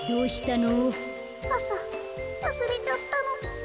かさわすれちゃったの。